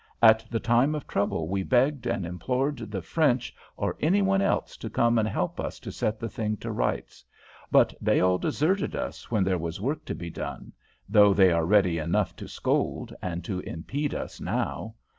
At the time of trouble we begged and implored the French or any one else to come and help us to set the thing to rights, but they all deserted us when there was work to be done, though they are ready enough to scold and to impede us now.